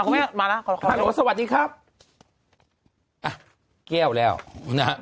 ครับไหมมาแล้วขอฮัลโหลสวัสดีครับอ่ะเกลี้ยวแล้วนะ